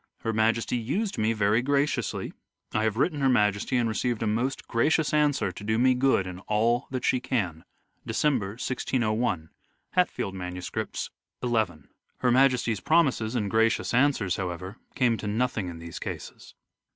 Her Majesty used me very graciously ... I have written Her Majesty and received a most gracious answer to do me good in all that she can." December, 1601. (Hatfield MSS., XL) Her Majesty's promises and gracious answers, however, came to nothing in these cases.